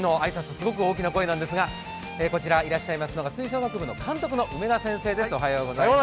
すごく大きな声なんですがこちらにいらっしゃいますのは吹奏楽部の監督の梅田先生です。